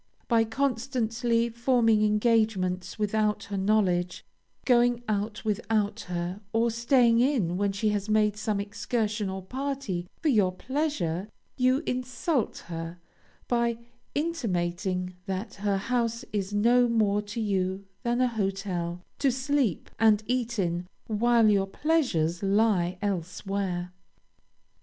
By constantly forming engagements without her knowledge, going out without her, or staying in when she has made some excursion or party for your pleasure, you insult her, by intimating that her house is no more to you than a hotel, to sleep and eat in, while your pleasures lie elsewhere.